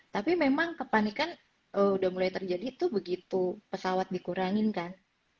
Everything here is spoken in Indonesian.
tapi memang kepanikan udah mulai terjadi tuh begitu pesawat dikurangin kan